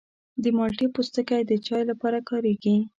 د مالټې پوستکی د چای لپاره کارېږي.